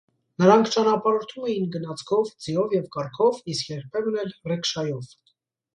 Նրանք ճանապարհորդում էին գնացքով, ձիով և կառքով, իսկ երբեմն էլ ռիկշայով։